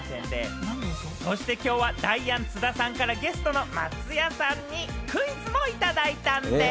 そして今日はダイアン・津田さんからゲストの松也さんにクイズもいただいたんでぃす。